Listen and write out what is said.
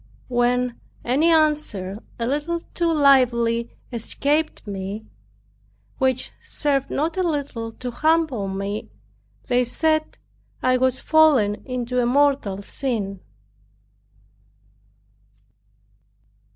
When any answer a little too lively escaped me, (which served not a little to humble me,) they said "I was fallen into a mortal sin."